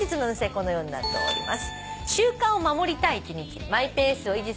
このようになっております。